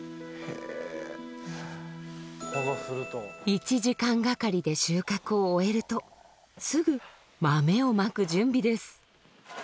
１時間がかりで収穫を終えるとすぐ豆をまく準備です。